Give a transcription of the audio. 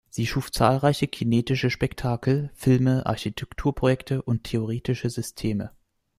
Sie schuf zahlreiche kinetische Spektakel, Filme, Architektur-Projekte und theoretische Systeme.